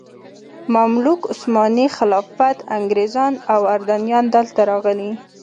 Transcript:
مملوک، عثماني خلافت، انګریزان او اردنیان دلته راغلي.